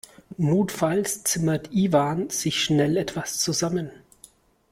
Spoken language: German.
Notfalls zimmert Iwan sich schnell etwas zusammen.